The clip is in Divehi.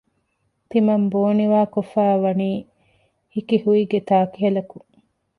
ތިމަން ބޯ ނިވާކޮށްފައިވަނީ ހިކިހުއިގެ ތާކިހަލަކުން